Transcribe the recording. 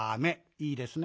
いいですね？